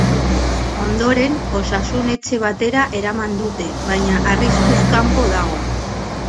Ondoren, osasun-etxe batera eraman dute, baina arriskuz kanpo dago.